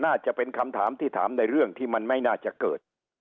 น่าจะเป็นคำถามที่ถามในเรื่องที่มันไม่น่าจะเกิด